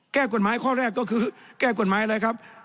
แก้กฎหมายข้อแรกก็คือแก้กฎหมายเลยครับ